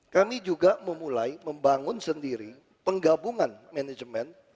kami juga memulai membangun sendiri penggabungan manajemen